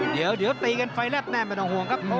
เดี๋ยวตีกันไฟแลบแน่ไม่ต้องห่วงครับ